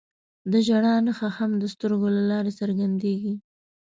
د ژړا نښه هم د سترګو له لارې څرګندېږي